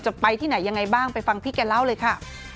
จะไปที่ไหนยังไงบ้างไปฟังพี่แกเล่าเลยค่ะ